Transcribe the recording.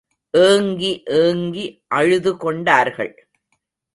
ஏங்கி ஏங்கி அழுதுகொண்டார்கள்.